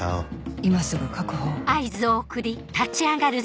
今すぐ確保を